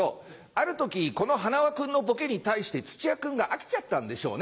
ある時この塙君のボケに対して土屋君が飽きちゃったんでしょうね。